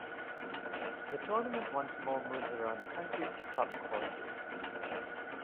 The tournament once more moves around the country to top courses.